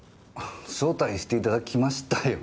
招待していただきましたよね？